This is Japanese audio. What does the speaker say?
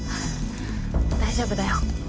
大丈夫だよ。